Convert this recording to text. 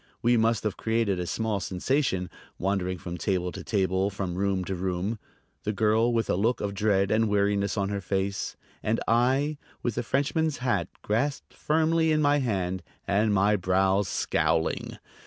We must have created a small sensation, wandering from table to table, from room to room, the girl with a look of dread and weariness on her face, and I with the Frenchman's hat grasped firmly in my hand and my brows scowling.